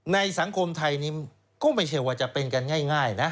สังคมไทยนี้ก็ไม่ใช่ว่าจะเป็นกันง่ายนะ